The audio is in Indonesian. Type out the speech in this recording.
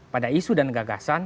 pada isu dan gagasan